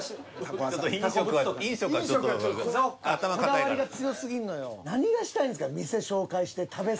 こだわりが強すぎんのよ。